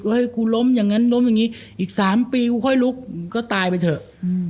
ให้กูล้มอย่างนั้นล้มอย่างนี้อีก๓ปีกูค่อยลุกก็ตายไปเถอะ